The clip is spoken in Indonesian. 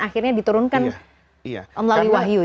akhirnya diturunkan melalui wahyu